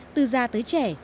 từ già tới trẻ